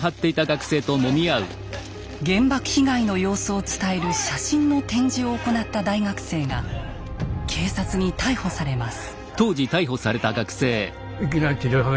原爆被害の様子を伝える写真の展示を行った大学生が警察に逮捕されます。